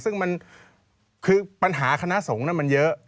ซึ่งมันคือปัญหาคณะสงฆ์มันเยอะ